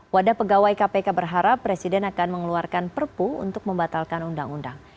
wadah pegawai kpk berharap presiden akan mengeluarkan perpu untuk membatalkan undang undang